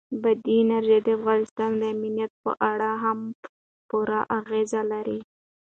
بادي انرژي د افغانستان د امنیت په اړه هم پوره اغېز لري.